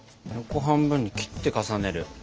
横半分に切って重ねる。